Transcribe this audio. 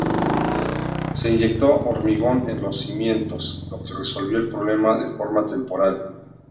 Se inyectó hormigón en los cimientos, lo que resolvió el problema de forma temporal.